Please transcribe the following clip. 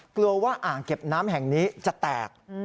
กลัวว่าอ่างเก็บน้ำแห่งนี้จะแตก